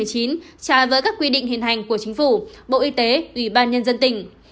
trái với các quy định hiện hành của chính phủ bộ y tế ủy ban nhân dân tỉnh